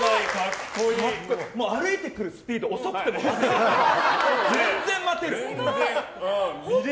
歩いてくるスピード遅くても全然待てる。